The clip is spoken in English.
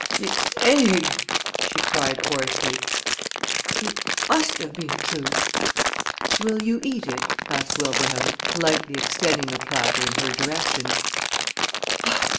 "The egg!" she cried, hoarsely. "It must have been true." "Will you eat it?" asked Wilbraham, politely extending the platter in her direction.